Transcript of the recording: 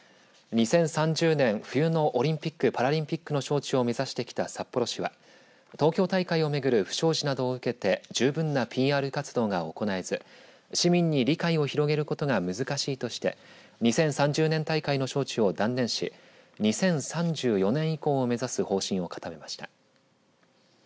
２０３０年冬のオリンピック・パラリンピックの招致を目指してきた札幌市は、東京大会を巡る不祥事などを受けて十分なＰＲ活動が行えず市民に理解を広げることが難しいとして２０３０年大会の招致を断念し２０３４年以降を目指す方針を固めました。